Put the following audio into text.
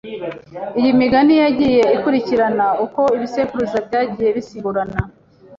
Iyi migani yagiye ikurikirana uko ibisekuruza byagiye bisimburana.